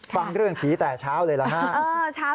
ฟังเรื่องผีแต่เช้าเลยหรือครับ